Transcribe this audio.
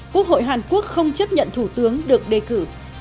quốc hội hàn quốc không chấp nhận thủ tướng được đề cử